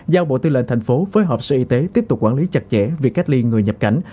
giao bộ tư lệnh thành phố với họp sự y tế tiếp tục quản lý chặt chẽ việc cách ly người nhập cảnh